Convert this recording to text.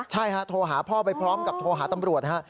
ใช่ฮะโทรหาพ่อไปพร้อมกับโทรหาตำรวจนะครับ